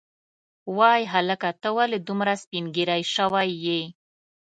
وای هلکه ته ولې دومره سپینږیری شوی یې.